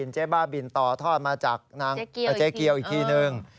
เจ๊บ้าบินต่อทอดมาจากนางเจ๊เกียวอีกทีนึง